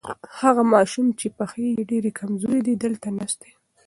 هغه ماشوم چې پښې یې ډېرې کمزورې دي دلته ناست دی.